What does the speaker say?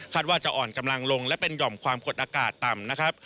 ว่าจะอ่อนกำลังลงและเป็นหย่อมความกดอากาศต่ำนะครับ